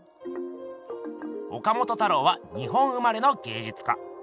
岡本太郎は日本生まれの芸術家。